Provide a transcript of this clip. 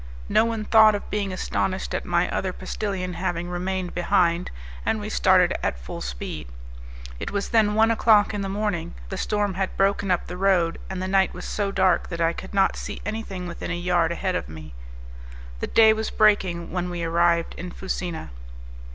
No one thought of being astonished at my other postillion having remained behind, and we started at full speed. It was then one o'clock in the morning; the storm had broken up the road, and the night was so dark that I could not see anything within a yard ahead of me; the day was breaking when we arrived in Fusina.